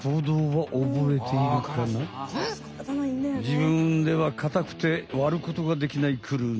じぶんではかたくてわることができないクルミ。